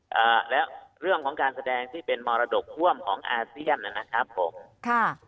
เอ่อแล้วเรื่องของการแสดงที่เป็นมรดกท่วมของอาเซียนนะครับผมค่ะ